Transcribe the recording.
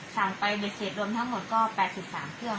สั่งไปในเขตรวมทั้งหมดก็๘๓เครื่อง